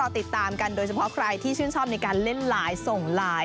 ติดตามกันโดยเฉพาะใครที่ชื่นชอบในการเล่นไลน์ส่งไลน์